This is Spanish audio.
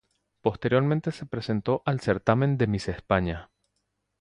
Posteriormente se presentó al certamen de Miss España.